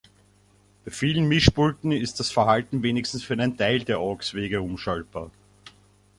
Bei vielen Mischpulten ist das Verhalten wenigstens für einen Teil der Aux-Wege umschaltbar.